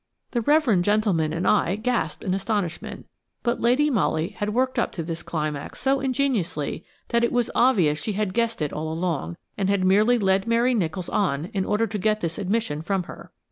The reverend gentleman and I gasped in astonishment; but Lady Molly had worked up to this climax so ingeniously that it was obvious she had guessed it all along, and had merely led Mary Nicholls on in order to get this admission from her.